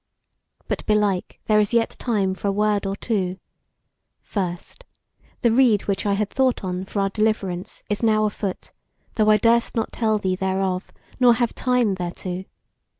But belike there is yet time for a word or two: first, the rede which I had thought on for our deliverance is now afoot, though I durst not tell thee thereof, nor have time thereto.